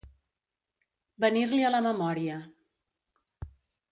Venir-li a la memòria.